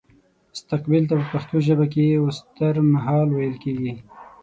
مستقبل ته په پښتو ژبه کې وستهرمهال ويل کيږي